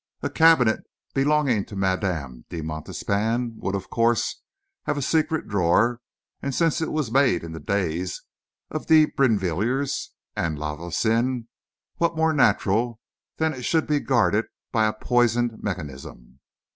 A cabinet belonging to Madame de Montespan would, of course, have a secret drawer; and, since it was made in the days of de Brinvilliers and La Voisin, what more natural than that it should be guarded by a poisoned mechanism?"